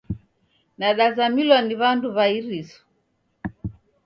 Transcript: Nadazamilwa ni w'andu w'a iriso